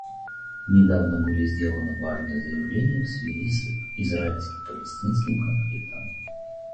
Недавно были сделаны важные заявления в связи с израильско-палестинским конфликтом.